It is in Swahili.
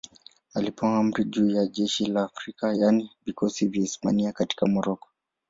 Alipewa amri juu ya jeshi la Afrika, yaani vikosi vya Hispania katika Moroko.